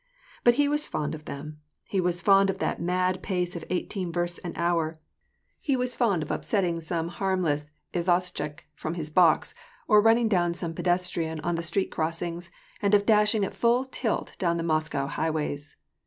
But lie was fond of them ; he was fond of that mad pace of eighteen versts an hour^ he was fond of upsetting some harmless WAR AND PP. ACS. 871 izvoshchik from his box, or running down some pedestrian on the street crossings, and of dashing at full tilt down the Mos cow highways.